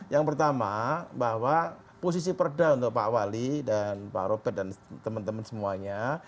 yang pertama bahwa posisi perda untuk pak wali dan pak robert dan teman teman semuanya